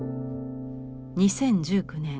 ２０１９年